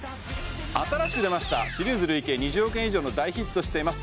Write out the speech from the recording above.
新しく出ましたシリーズ累計２０億円以上の大ヒットしています